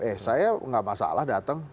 eh saya nggak masalah datang